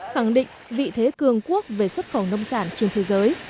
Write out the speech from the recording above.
khẳng định vị thế cường quốc về xuất khẩu nông sản trên thế giới